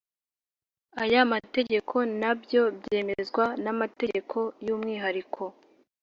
aya mategeko nabyo byemezwa n amategeko y umwihariko